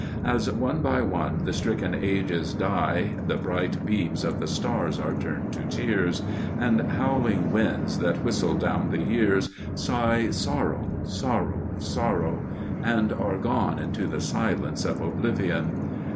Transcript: As one by one the stricken ages die, The bright beams of the stars are turned to tears, And howling winds that whistle down the years Sigh "Sorrow, sorrow, sorrow!" and are gone Into the silence of oblivion.